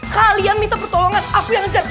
kalian minta pertolongan aku yang ngejar